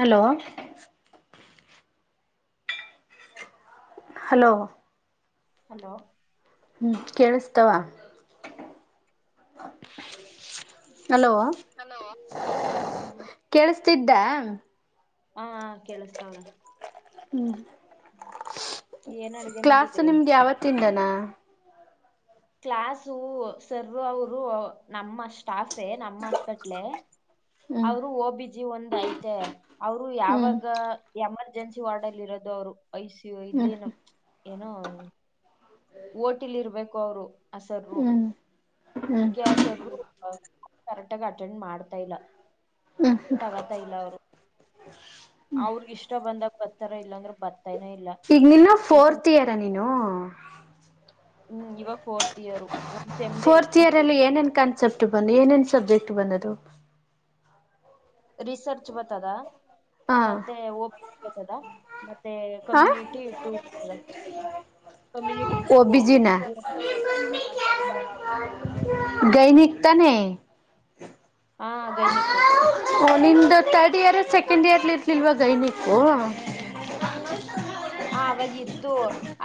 Hello hello hello ಹ್ಮ ಕೇಳಿಸ್ತಾವ hello ಹ್ಮ್ ಕೇಳಸ್ ತಿದ್ದ ಹಾ ಕೇಳಸ್ತಾವಣ ಹ್ಮ್ ಏನ್ ಅಡ್ಗೆ ಕ್ಲಾಸ್ ಮಾಡಿದ್ರಿ ನಿಮ್ಗೆ ಯಾವತ್ತಿಂದನಾ ಕ್ಲಾಸು ಸರ್ ಅವರು ನಮ್ಮ ಸ್ಟಾಫೇ ನಮ್ಮ ಹಾಸ್ಪೆಟ್ಲೆ ಹ್ಮ್ ಅವರು ಹೋಗಬ್ಬಿದ್ದ ಜಿ ಒಂದ್ ಐತೆ ಅವರು ಹ್ಮ್ ಯಾವಾಗ ಎಮರ್ಜೆನ್ಸಿ ವಾರ್ಡ್ ಅಲ್ಲಿ ಇರೋದು ಅವ್ರು ಐ ಸಿ ಯು ಹ್ಮ್ ಇಲ್ಲಿನ ಏನೋ ಓಟಿಲ್ ಇರ್ಬೇಕು ಅವರು ಅಸರ್ ಹ್ಮ್ ಹ್ಮ್ ಅದಕ್ಕೆ ಆ ಸರ್ ಕರೆಕ್ಟಗ ಅಟೆಂಡ್ ಮಾಡ್ತಾ ಇಲ್ಲ ಹ್ಮ್ ತಗತಾ ಇಲ್ಲ ಅವರು ಅವ್ರ ಇಷ್ಟ ಬಂದಾಗ ಬತ್ತಾರ ಇಲ್ಲಾಂದ್ರ ಬ ಈಗ ನಿನ್ನ ಫೋರ್ತ್ ಇಯರ ನೀನು ಹ್ಮ್ ಇವಾಗ ಫೋರ್ತ್ ಇಯರ್ ಒಂದ್ ಸೆಮ್ದು ಫೋರ್ತ್ ಎಕ್ಸಾಮ್ ಇಯರ್ ಅಲ್ಲಿ ಕೊಟ್ಟಿ ಏನೇನ್ ಕಾನ್ಸೆಪ್ಟ್ ಬಂದು ಏನೇನ್ ಸಬ್ಜೆಕ್ಟ್ ಬಂದದು ರಿಸರ್ಚ್ ಗತ್ತದ ಮತ್ತೆ ಒಬ ಗತ್ತದ ಹಾ [unintelligible] ಕಮ್ಯನಿಟಿಟು ಹ್ಮ ಗೈನಿಕ ತಾನೆ ಹಾ ಗೈನಿಕ ನಿಮ್ದು ಥರ್ಡ್ ಇಯರ್ ಸೆಕೆಂಡ್ ಇಯರ್ಲಿ ಇರ್ಲಿಲ್ವೈನಿಕು ಆವಾಗಿತ್ತು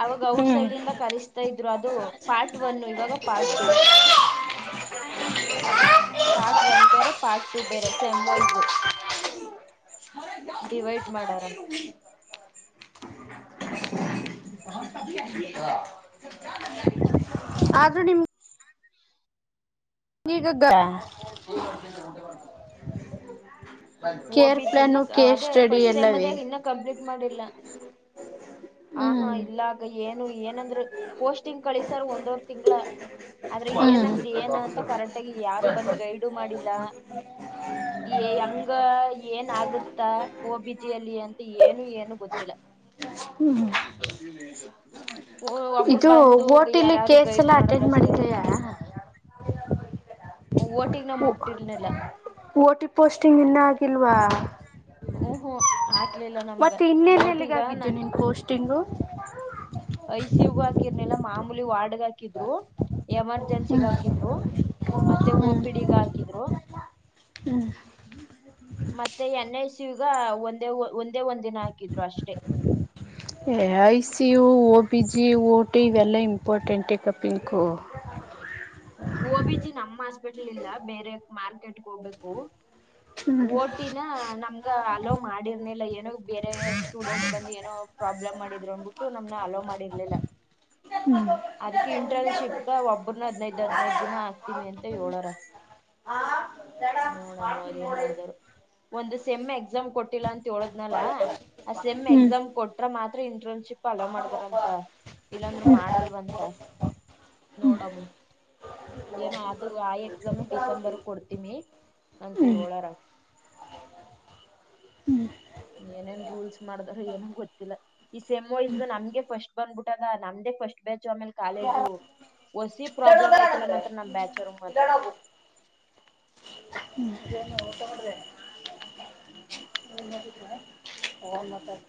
ಅವಾಗ ಔಟ್ ಹ್ಮ್ ಸೈಡ್ ಇಂದ ಕರಿಸ್ತಾ ಇದ್ರು ಅದು ಪಾರ್ಟ್ ಒನ್ ಇವಾಗ ಪಾರ್ಟ್ ಟು ಹ ಪಾರ್ಟ್ ಒನ್ ಬೇರೆ ಪಾರ್ಟ್ ಟು ಬೇರೆ ಸೆಮ್ ವೈಸು [inaudible] ಆದ ನಿ ಇಗ ಓಬಿಜ್ ಇನ್ನ ಅದೇ ಫಸ್ಟ್ ಸೈಮ್ ಮದ ಎಲ್ಲವೇ ಇನ್ನ ಕಂಪ್ಲೀಟ್ ಮಾಡಿಲ್ಲ ಆ ಹಾ ಹ್ಮ್ ಇಲ್ಲ ಆಗ ಏನು ಏನಂದ್ರೆ ಪೋಸ್ಟಿಂಗ್ ಕಳಸರ್ ಒಂದ್ವರ್ ತಿಂಗಗಳ. ಆದ್ರೆ ಹ್ಮ್ ಏನಂದ್ರ ಏನ ಅಂತ ಕರೆಕ್ಟ್ಗಿ ಯಾರು ಬಂದ ಗೈಡು ಮಾಡಿಲ್ಲ. ಈ -ಅ ಈಗ ಏನ್ ಆಗುತ್ತ ಓಬಜಿಯಲ್ಲಿ ಅಂತ ಏನು ಏನು ಗೊತ್ತಿಲ್ಲ. ಹ್ಮ್ ಓ ಒಬ್ರು ಬಂದು ಯಾರಾರು ಕೇಸ್ ಗೈಡ್ ಎಲ್ಲ ಅಟೆಂಡ್ ಮಾಡದ್ರಸರ ಇತ. ಮಾಡಿದಯಾ ಬಿಟ್ಟಿರ್ಲಿಲ್ಲ ಓಟಿ ಪೋಸ್ಟಿಂಗ್ ಇನ್ನ ಆಗಿಲ್ವಾ. ಹ್ಮ -ಹ್ಮ- ಆಕ್ಲಿಲ್ಲ ನಮ್ಗ ಮತ್ತೆ ಇನ್ನೇನ್ ಎಲ್ಲಿಗೆ ಓಟಿಗಾನ. ಆಗಿದ್ದು ನಿನ್ ಪೋಸ್ಟಿಂಗು ಐಸ ಯುಗ್ ಹಾಕಿರ್ನಿಲ್ಲ ಮಾಮೂಲಿ ವಾರ್ಡ್ಗ್ ಹಾಕಿದ್ರು ಎಮರ್ಜೆನ್ಸಿಗ್ ಹಾಕಿದ್ರು. ಮತ್ತೆ ಓಪಿಡಿಗ ಹಾಕಿದ್ರು. ಹ್ಮ ಮತ್ತೆ ಎನ್ ಐ ಸಿಗ ಒಂದೇ ಒಂದೇ ಒಂದ್ ದಿನ ಹಾಕಿದ್ರು ಅಷ್ಟೆ. A- I- C- U- O- B -G- O -T -ಇವೆಲ್ಲ ಇಂಪಾರ್ಟೆಂಟ ಈ ಕಪಿಂಕು ಓ-ಬಿ- ಜಿ -ನಮ್ಮ ಹಸ್ಪಿಟ್ಲ್ ಇಲ್ಲ ಬೇರೆ ಮಾರ್ಕೆಟ್ಗೆ ಹೋಗ್ಬೇಕು ಹ್ಮ ಓಟಿನ ನಮ್ಗ ಅಲೋ ಮಾಡಿರ್ನಿಲ್ಲ ಏನೋ ಬೇರೆ ಸ್ಟೂಡೆಂಟ್ ಬಂದು ಏನೋ ಪ್ರಾಬ್ಲಮ್ ಮಾಡ. ನಮ್ ಅಲೋ ಮಾಡಿರ್ಲಿಲ್ಲ ಅದಕ್ಕೆ ಇಂಟರ್ನ್ಶಿಪ್ಗ ಒಬ್ಬರ್ನ ಹದಿನೈದು. ಹದಿನೈದು ದಿನ ಆಗ್ತಿಮಿ ಅಂತ ಹೇಳಏಳರ ನೋಡಮ್ಮ ಅದೇನ್ ಮಾಡ್ದಾರ. ಒಂದು ಸೆಮ್ ಎಕ್ಸಾಮ್ ಕೊಟ್ಟಿಲ್ಲ ಅಂತ ಹೇಳದ್ನಲ ಆ ಸೆಮ್ ಹ್ಮ್ ಎಕ್ಸಾಮ್ ಕೊಟ್ರ ಮಾತ್ರ ಇಂಟ್ರೆನ್ಸ್. ಶಿಪ್ಪ ಹಲೋ ಮಾಡಿದಾರಂತ ಇಲ್ಲಾಂದ್ರರು ಮಾಡಲ್ವಂತ ನೋಡಮ್ಮ. ಏನೋ ಅದು ಆ ಎಕ್ಸಾಮು ಡಿಸೆಂಬರ್ ಕೊಡ್ತೀಮಿ ಅಂತ ಹ್ಮ್ ಹ್ಮ್ ಹೇಳಾರ. ಹ್ಮ್ ಏನೇನ್ ರೂಲ್ಸ್ ಮಾಡಿದಾರ ಏನ ಗೊತ್ತಿಲ್ಲ ಈ ಸೆಮ್ ಇಸ್ ನಮ್ಗೆ ಫಸ್ಟ್. ಬಂದ್ಬಿಟ್ಟದ ನಮ್ದೇ ಫಸ್ಟ್ ಬ್, ಆಮೇ ಕಾಲೇಜು ಹೊಸಿ ಪ್ರಾಬ್ಲಮ್ ಆಯ್ತಿಲ್ಲ ಮಾತ್ರ ನಮ್ ಬ್ಯಾಚರ್ ಮಾತ್ರ. [inaudible] ಹ್ಮ-ಮಾಡುದ [inaudible]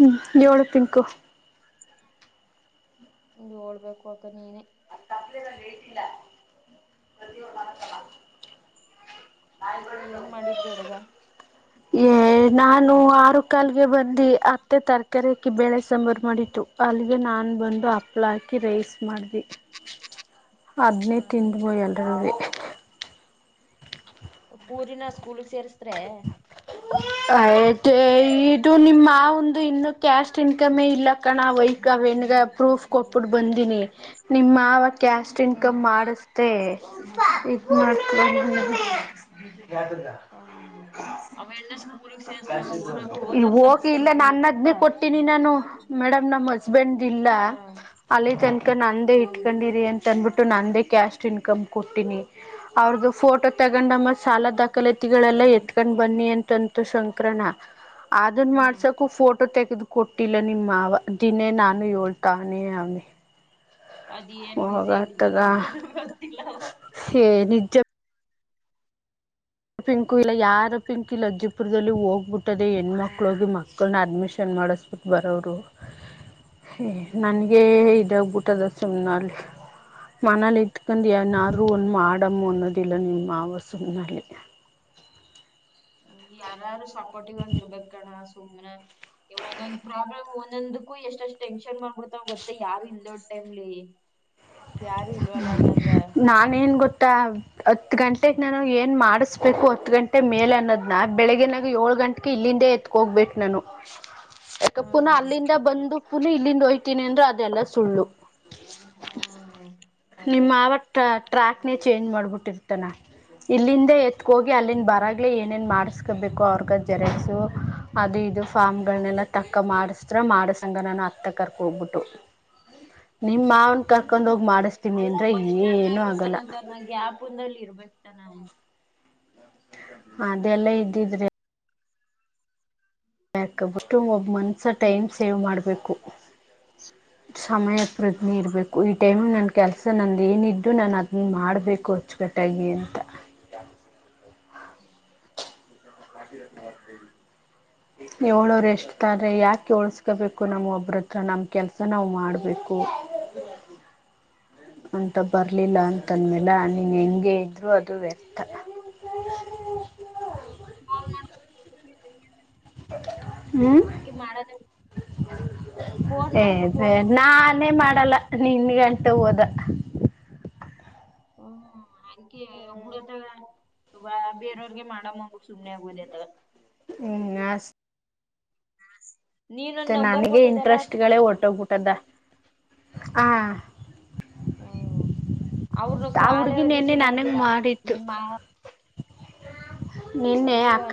ಹ್ಮ- ಯೋಳು ಪಿಂಕು. ಹಗೆ ಓಡ್ಬೇಕು ಅಕ ನೀನೆ ತಪ್ಪಲೆಟಲ್ಲ ಪ್ರತೊ ಮಾ ಮಾಡ ಏನ್ ಮಾಡಿದ್ರಿ ಹಡ್ಗ. ಏ -ನಾನು ಆರು ಕಾಲಗೆ ಬಂದು ಅತ್ತೆ ತರಕಾರಿಕ್ಕಿ ಬೇಳೆ ಸಾಂಬಾರು ಮಾಡಿತು. ಅಲ್ಲಿಗೆ ನಾನ್ ಬಂದು ಹಪ್ಳ ಹಾಕಿ ರೈಸ್ ಮಾಡ್ದ್. ಅದ್ನೇ ತಿಂದ್ಬೋ [unintelligible] ಹೇಳ್ದಾಳು [unintelligible] ಪೂರ -ನಾ -ಸ್ಕೂಲ್ ಸೇರಿಸ. ಅತ ನಿಮ್ಮಾ [unintelligible] ಒಂದು ಇನ್ನು ಕ್ಯಾಶಟ್ ಇನ್ಕಮೇ ಇಲ್ಲ ಕಣ ವೈಫ ಅವ ಹೆನ್ಗ ಪ್ರೂಫ್ ಕೊಟ್ಬಿಟ್ಟ ಬಂದೀನಿ. ನಿಮವ ಕ್ಯಾಸ್ಟ್ ಇನ್ಕಮ್ ಮಾಡಿಸೇ ಇದ ಮಾಡ. ಯ್ದಿಂದ [unintelligible] ಅವ ಎಲ್ಲ ಸ್ಕೂಲುಕ್ ಸೇರಿಸಸ ಓದೋರಸರ [unintelligible] ಹೋಗಿ ಇಲ್ಲ ಸೇರಿಸಸನೇನಪ್ಪಪ ನನ್ನದ್ನೇ ಕೊಟ್ಟಿನಿ ನಾನು ಮೇಡಮ್ ನಮ್ ಹಸ್ಬೆಂಡ್ ಇಲ್ಲ ಅಲ್ಲಿ ತನಕ ನಂದೇ ಹ್ಮ್ ಇಟ್ಕೊಂಡಿರಿ ಅಂತ ತಂದ್ಬಿಟ್ಟು ನಾನೇ ಕ್ಯಾಶ್ ಇನ್ಕಮ್ ಕೊಟ್ಟೀನಿ ಅವ್ರ್ದು ಫೋಟೋ ತಗೊಂಡಮ್ಮ ಸಾಲ ದಾಖಲೈ. ಎತ್ಕೊಂಡ್ ಬನ್ನಿ ಅಂತಂತ ಸಂಕ್ರಣ ಅದನ್ ಹ್ಮ್ ಮಾಡ್ಸಕು- ಫೋ, ಟ್ಟ -ತೆಗೆದು ಕೊಟ್ಟಿಲ್ಲ ನಿಮ್ಮ ಮಾವ ದಿನೇ ನಾನು ಹೇಳ್ತಾನೆ ಅವಿ. ಅದ ಏನ್ ಬುಸಿ ಆಗಿದ್ದ ನಗೆ, ಹೇ- ನಿಜ ಯ- ಪಿಂಕು ಇಲ್ಲ ಯಾರ ಪಿಂಕ್ ಇಲ್ಲಿಜ್ಜಪುರದಲ್ಲಿ ಹೋಗ್ಬಿಟ್ಟದೆ ಹ್ಮ್. ಹೆಣ್ಮಕ್ಳುಗಿ ಮಕ್ಕಳನ ಅಡ್ಮಿಷನ್, ಮಾಡಬ ಬರೋರು ನನ್ಗೆ ಇದಾಗ ಊಟದ, ಸುನಾಲ್ ಮನಲ್ ಇತ್ಕಂತ ಹ್ಮ್ ಯನಾರು ಒಂದು ಮಾಡಮ ಒಂದ. ಅನ್ನೋದಿಲ್ಲ ನಿಮ್ಮ ಮಾವ ಸುಮ್ಮ್ನಲ್ಲಿ ್ಮ ಯಾರಾರು ಸಪೋರ್ಟಿವ್ ಆಗಿರ್ಬೇಕಕ್ ಕಣ ಗೊತ್ತಾಗಿಲ್ಲ ಒಂದೊಂದ್ ಪ್ರಾಬ್ಲಮ್ ಒಂದೊಂದಕ್ಕೂ ಎಷ್ಟಷ್ಟು ಟೆನ್ಷನ್ ಮಾಡ್ಬಿಡ್ತಾವ ಗೊತ್ತ ಯಾರು ಇಲ್ದೊ ಟೈಮ್ಲಿ ಯಾರು ಇಲ್ವಲ್ಲಾಂದಂಗ ಹತ್ ಗಂಟೆಗೆ ನನ ಏನ್ ಮಾಡಿಸ್ಬೇಕು ಹತ್ತು ಗಂಟೆ ಮೇಲೆ ಅನ್ನೋದ್ ಬೆಳಗ್ಗೆಿನಾಗ ಏಳ್ ಗ ಗಂಟೆಗೆ ಇಲ್ಲಿಂದೇ ಎತ್ಕೋಗ್ಬೇಕೇಟ್ು ನಾನು ಯಾಕ ಪುನ ಹ್ಮ್ ಅಲ್ಲಿಂದ ಬಂದು ಪುನ ಇಲ್ಲಿಂದ ಹೋಯ್ತೀನಿ ಅಂದ್ರ ಅದೆಲ್ಲ ಸುಳ್ಳು ಹ್ಮ್ ಅದೇ ನಿಮ್ಮ ಆವ ಟ್ರ್ಯಾಕ್ನೇ ಚೇಂಜ್ ಮಾಡ್ಬಿಟ್ಟಿರ್ತಾನ ಇಲ್ಲಿಂದೆ ಹೋಗಿ ಅಲ್ಲಿ ಹ್ಮ್ ಬರಗ್ಲಿ ಏೇನ್ ಮಾಡ್ ಬೇಕು ಅವ್ರಗ ಜೆರಸು ಅದು ಇದು ಫಾರ್ಮ್ಗಳನೆೆಲ್ಲ ತಕ್ಕ ಮಾಡಸ್ರ ಮಾಡಸಂಗ ನ ಮತ್ತ ಕರ್ಕ ಹೋಗ್ಬಿಟ್ಟು ನಿಮ್ಮ ಮಾವನ ಕರ್ ಅಲ್ಲ ಬಸ್ ಸ್ಟ್ಯಾಂಡ್ಲ್ಲ ಆಗಲ್ಲ ಇರ್ತಾನ ಸ ನ ಗ್ಯಾಪ್ ಒಂದಲ್ಲಿ ಇರ್ಬೇಕತನ ಅದೆಲ್ಲ ಇದ್ದಿದ್ರೆ ಯಕಬಿಟ್ಟು ಒಬ್ಬ ಮನ್ಸ ಟೈಮ್ ಸೇವ್ ಮಾಡ್ಬೇಕು ಸಮಯ ಪ್ರಜ್ಞೆ ಇರಬೇಕು ಈ ಟೈಮ್ ನನ್ ಕೆಲ್ಸ ನಂದ ಏನಿದ್ದು ನಾು ಅದನ್ನ ಮಾಡ್ಬೇಕು ಅಚ್ಚುಕಟ್ಟಾಗಿ ಅಂತ ಹ್ಮ್ ಏಳೂರು ಎಷ್ಟು ಾರೆ ಯಾಕೆ ಉಳ್ಸ್ಕೋಬೇಕು ನಮ್ಮ್ ಒಬ್ಬ್ರ ಹತ್ರ ನಮ ಕೆಲ್ಸ ನಾವವು ಮಾಡ್ಬೇಕು ಅಂತ ಬರ್ಲಿಲ್ಲ ಅಂತಂದ್ಮೇಲೆ ನೀನ್ ಹೆಂಗೆ ಇದ್ರು ಅದು ವ್ಯರ್ಥ ಬಲ್ ನನ್ಗೆ ಮಾಡ ಏದ ಮಾಡಲ್ಲಾ. ನಾನೇ ಮಾಡಲ್ಲ ನಿನ್ಗೆ ಅಟ ಹೋದ ಹ್ಮ ಹಗೆ ಬುಡದ ಬೇರೆಯವ್ರಗೆ ಮಾಡ ಸುಮ್ನೆ ಆಗ್ಬದತ ಹ್ಮ್ ನ ಹ್ಮ ಮತ್ತೆ ನನಗೆ ಇಂಟ್ರೆಸ್ಟ್ಗಳೇ ಒಟ್ಟೋಗ್ಬಿಟದ ಹ ಹಾ ಅವ್ರನು ಕಾಲೇ ಹುಡ್ಗಿ ನೆನ್ನೆ ರಿಸೀವ್ ನನಗ್ ಮಾಡ್ತಿಲ್ಲ ಮಾಡಿತ್ತು ನಿಮ್ಮ ನಿನ್ನೆ ಅಕ್ಕ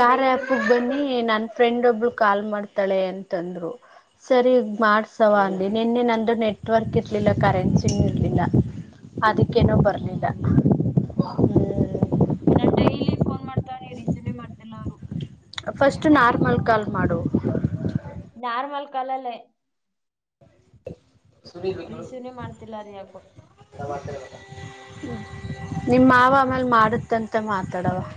ಕಾರ್ಪಗೆ ಬನ್ನಿ ನನ್ನ ಫ್ರೆಂಡ ಒಬ್ಳ ಕಾಲ್ ಮಾಡ್ತಾಳೆ ಅಂತಂದ್ರು ಸರಿ ಮಾಡ್ಸವ ಅಂದಿ ಹ್ಮ್ ನಿನ್ನೆ ನಂದು ನೆಟ್ ನೆಟ್ವರ್ಕ್ ಇರಲಿಲ್ಲ ಕರೆನ್ಸಿ ಇರಲಿಲ್ಲ ಅದಕ್ಕೇನೋ ಬರಲಿಲ್ಲ ಹಾಗ ನನ್ ಡೈಲಿ ಫೋನ್ ಮಾಡ್ತಾ ನೀ ರೀಸೀವೇ ಮಾಡ್ತಿಲ್ಲ ಅವ್ರು ಫಸ್ಟ್ ನಾರ್ಮಲ್ ಕಾಲ್ ಮಾಡುವ ನಾರ್ಮಲ್ ಕಲಲೆ ಕೇಳುತ್ತಿಲ್ಲ ಅವರು ಇಶೂನೇ ಮಾಡ್ತಿಲ್ಲ ಅ ಯಾಕು ಬತ ಬ ನಿಮಮ್ಮ ಮಾವ ಆಮೇಲ್ ಮಾಡುತ್ತಂತ ಮಾತಾಡವ [inaudible] [inaudible]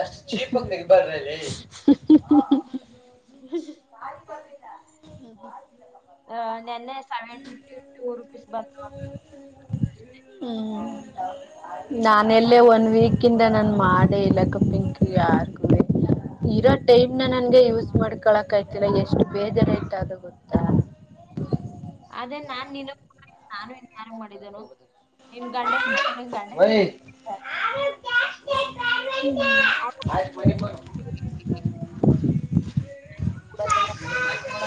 ಎಷ್ಟ ಚೀ ಮಕ್ಿಗೆ ಬರ್ರಲ್ಲಿ ಹ್ಮ್ ಹ್ಮ ಅ ನೆನ್ನೆ ಸೆವೆಂಟಿ ಟು ರುಪೀಸ್ ಬಂತ ಹ್ಮ್ ನಾನೆಲ್ಲೇ ಒನ್ ವೀಕ್ ಕ ನನ್ ಮಾಡೆ ಇಲಕ್ಕ ಪಿಂಕ ಯಾರಗ ಇರೋ ಟೈಮ್ ಇನ್ನು ನನ್ಗೆ ಯೂಸ್ ಹ್ಮ್ ಮಾಡ್ಕೊಳಕಯ್ತಿಲ್ಲ ಎಷ್ಟು ಬೇಜ ರೇಟ್ ಆದ ಗೊತ್ತಾ ಅದೇ ನಾನ್ ನಿ ನಾನು ಇನ್ ಯಾರು ಮಾಡಿದ್ದನು ನಿನ್ ಗಂಡ್ಯರು ಮಾಡದ್ರ ಗಂಡ ಆ ಮ ಬ ಕೂಡ ನೋಡ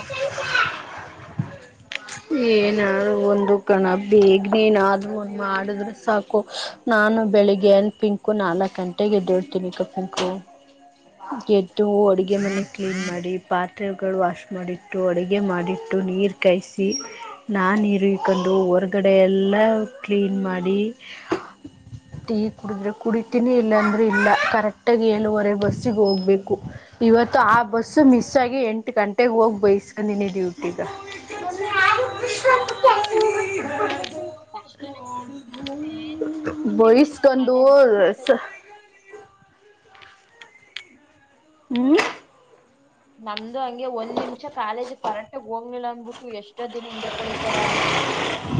ಏನಾದರು ಒಂದು ಕಣ ಬೇಗ ನೀನಾದೂ ಒಂದು ಮಾಡಿದ್ರೆ ಸಾಕು ನಾನು ನಾನು ಬೆಳಿಗ್ಗೆನ್ ಪಿಂಕು ನಾಲ್ಕಕ್ ಗಂಟೆಗೆದಡ್ತೀನಿ ಕಪಿಂಕು ಎಟ್ಟು ಹಡುಗೆ ಮ ಕ್ಲೀನ್ ಮಾಡಿ ಪಾತ್ರೆಗಳು ವಾಶ್ ಮಾಡಿಟ್ಟು ಅಡುಗೆ ಮಾಡಿಟ್ಟು ನೀರು ಕಾಯಿಸಿ ನಾನು ಇರುಕೊಂಡು ಹೊರಗಡೆ ಎಲ್ಲ ಕ್ಲೀನ್ ಮಾಡಿ ಟೀ ಕುಡಿದ್ರೆ ಕುಡಿತೀನಿ ಇಲ್ಲ ಅಂದ್ರೆ ಇಲ್ಲ ಕರೆಕ್ಟಗಿ ಎಳೂುವರೆ ಬಸ್ಸಿಗೆ ಹೋಗ್ಬೇಕು ಇವತ್ತು ಆ ಬಸ್ ಮಿಸ್ ಆಗಿ ಎಂಟು ಗಂಟೆಗೆ ಹೋಗಿ ಬೈಸ್ಕಂದೀನಿ ಡ್ಯೂಟಿಗ ಕಷ್ಟನೇ ಬಿಡು ಮುಂದಕ್ಕೆ ಒಂದ್ ನಿಮಿಷ ಬಯಸ್ಕೊಂಡು ಕಾಲೇಜ್ ಹ್ಮ್ ನಮ್ದು ಹಂಗೆ ಒಂದ್ ನಿಮಿಷ ಕಾಲೇಜ್ ಕರೆಕ್ಟಗ ಹೋಗ್ಲಿಲ್ಲ ಅಂದ್ಬಿಟ್ಟು ಎಷ್ಟೋ ದಿನ ಹಿಂದಕ್ ಕಳಿಸಾರ ಈ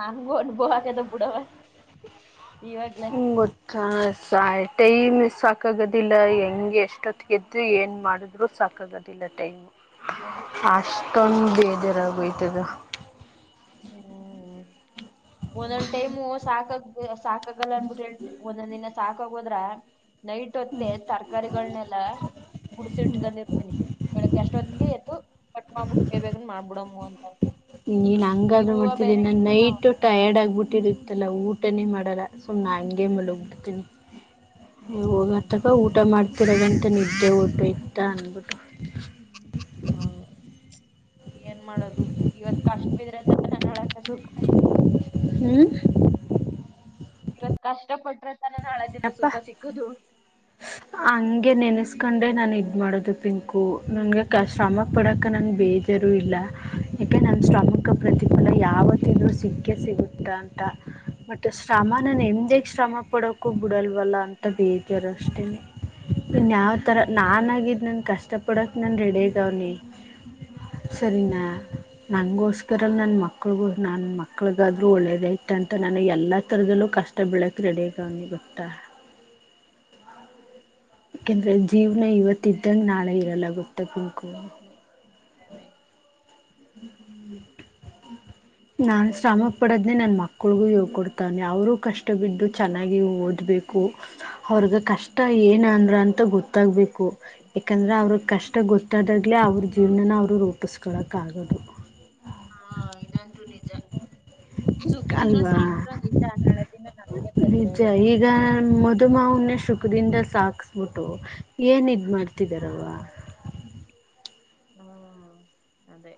ನಂಗಗೂ ಅನುಭವ ಆಕ್ಯದ ಬುಡವ ಗೊತ್ತ ಸ ಟೈಮ್ ಸಾಕಾಗೋದಿಲ್ಲ ಹೆಂಗೆ ಎಷ್ಟೊತ್ತಿಗೆಗೆದ್ದು ಏನು ಮಾಡಿದ್ರೂ ಸಾಕಾಗೋದಿಲ್ಲ ಟೈಮ್ ಹಾ ನಿಜ ಅಕ್ಕ ಅಷ್ಟೊಂದು ಬೇಜಾರಾಗುಯ್ತದ ಹ್ಮ್. ಒಂದೊಂದ್ ಟೈಮು ಸಾಕಾಗ್ ಸಾಕಾಗಲ್ಲ ಅನ್ಬಿಟ್ರೆ ಒಂದೊಂದ್ ದಿನ ಸಾಕಾಗೋದ್ರ ನೈಟ್ ಹೊತ್ತೆ ತರಕಾರಿಗಳನೆೆಲ್ಲಾ ಗುಡ್ಸಿ ಇಟ್ಕೊಂಡಿರ್ತೀನಿ ಬೆಳಿಗ್ಗೆ ಅಷ್ಟೊ ಹೊತ್ತಿಗೆ ಎದ್ದು ಕಟ್ ಮಾಡ್ಬಿಟ್ಟು ಬೇ ಬೇಗ ಮಾಡ್ಬಿಡಮ್ಮ ಅಂತ ನೀನ್ ಈ ಹಂಗಾದ್ರು ಹೂವಾ ಮಾಡ್ತಿದ್ದಿ ಬೇರೆ ನಾನ್ ಇಲ್ಲಪಾ ನೈಟ್ ಟಯರ್ಡ್ ಆಗ್ಬಿಟ್ಟಿತ್ತಲ್ಲಾ ಊಟ ಊಟನ ಮಾಡಲ್ಲ ಸುಮ್ನೆ ಹಂಗೆ ಮಲಗ್ ಬಿಡ್ತೀನಿ ಹ್ಮ್ ಹೋಗತಕ್ಕ ಊಟ ಮಾಡ್ತಿ ತಿರಗಂಟ ನಿದ್ದೆ ಊಟ ಇತ್ತಾ ಅನ್ಬಿಟ್ಟು ಹ್ಮ ಏನ್ ಮಾಡೋದು ಇವತ್ ಕಷ್ಟ ಬಿದ್ರೆಂತ ನ ಅಸ ಹ್ಮ್ ಇವತ್ ಕಷ್ಟ ಪಟ್ರ ಅಪ್ಪ ಹಗೆ ನೆನಸ್ ಇಕಂಡೆ ನಾನು ಇದ ಮಾಡೋದು ಪಿಂಕು ನನ್ಗೆ ಶ್ರಮ ಪಡಕ ನನ್ ಬೇಜಾರೂ ಇಲ್ಲ ಯಾಕೆ ನನ್ನ ಶ್ರಮಿಕ ಪ್ರತಿಫುಲ ಯಾವತ್ತಿದೂ ಸಿಕ್ಕ ಸಿಗುತ್ತ ಅಂತ ಮತ್ತು ಶ್ರಮ ನನ್ನ ಎಮ ದೇ ಶ್ರಮ ಪಡ ವಲ್ಲ ಅಂತ ಬೇೇಕಾರ ಅಷ್ಟೇನ್ಯಾವ್ ತರ ನಾನಾಗಿದ್ ನನ್ ಕಷ್ಟ ಡಕ್ ನ ರೆಡಿ ಆ ಅವ ಸರಿನಾ ನೋ ನನ್ ಮಕ್ಳಗೂ ನನ್ ಮಕ್ಳಗಾದ್ರೂ ಒಳ್ಳೇದ ಐತೆ ಅಂತ ನಾನು ಎಲ್ಲಾ ತರದಲ್ಲೂ ಕಷ್ಟ ಬೀಳಕ ರೆಡಿ ಬೆಗನ ಗಪ್ತಾ ಯಾಕೆಂದ್ರೆ ಜೀವ್ನ ಇವತ್ತ್ದಂಗ ನಾಳೆ ಇರಲ್ಲ ಗೊತ್ತಾಗಬೇಕು ಅದೇ ಹ್ಮ ಹ್ಮ ನಾನ್ ಶ್ರಮ ಪಡದ್ನನೆ ನನ್ ಮಕ್ಳಗು ಯೋಗ ಕೊಡ್ತಾನೆ ಅವರುೂ ಕಷ್ಟ ಬಿಟ್ಟು ಚೆನ್ನಾಗಿ ಓದ್ಬೇಕು ಅವ್ರಗ ಕಷ್ಟ ಏನ ಅಂದ್ರ ಅಂತ ಗೊತ್ತಾಗಬೇಕು ಯಾಕಂದ್ರೆ ಅವ್ರ ಕಷ್ಟ ಗೊತ್ತಾದಾಗ್ಲೇ ಅವ್ರ ಜೀವನನ ಅವ್ರು ರೂಪಿಸ್ಕೊಳಕ್ಕ ಆಗೋದು ಹಾ ಇದಂತೂ ನಿಜ ಸುಖದಿಂದ ಅಲ್ವಾ ಸಾಕ್ದ್ರ ನಿಜ ನಾಳೆ ದಿನ ನಮ್ಗೆ ತೊಂದ್ರೆ ನಿಜ ಆಗೋದು. ಈಗ ಮಧು ಮಾವನೇ ಶುಕ್ ಹಕ್ಕದಿಂದ ಸಾಕಿಸ್ಬಿಟ್ಟು ಏನುದ ಮಾಡಾತಿದಾರವ ಹ್ಮ ಅದೇ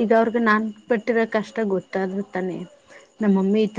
ಈಗ ಅವ್ರಗ ನಾನ್ ಪಟ್ಟಿರೋ ಕಷ್ಟ ಗೊತ್ತಾದ್ರೂ ತಾನೆ ನಮ್ಮಮ್ಮಿ ಈ ತರ